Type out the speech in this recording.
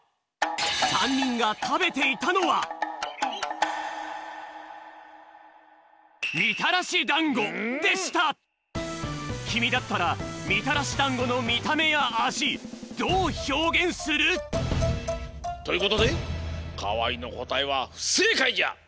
３にんがたべていたのはきみだったらみたらしだんごのみためやあじどうひょうげんする！？ということで川合のこたえはふせいかいじゃ！